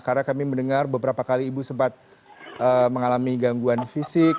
karena kami mendengar beberapa kali ibu sempat mengalami gangguan fisik